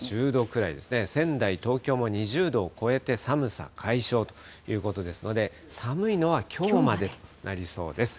名古屋１０度くらいですね、仙台、東京も２０度を超えて、寒さ解消ということですので、寒いのはきょうまでとなりそうです。